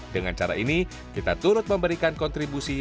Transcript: dengan cara ini kita turut memberikan kontribusi